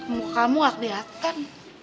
muka kamu gak kelihatan